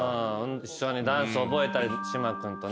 一緒にダンス覚えたり島君とね。